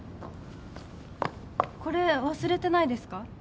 これ忘れてないですか？